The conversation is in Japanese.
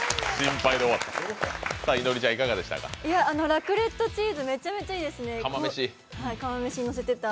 ラクレットチーズめちゃめちゃいいですね、釜めしにのせてた。